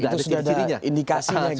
nah itu sudah ada indikasinya gitu ya pak